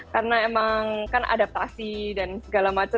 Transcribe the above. karena memang kan adaptasi dan segala macam